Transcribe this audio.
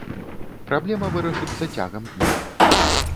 Праблема вырашыцца цягам дня.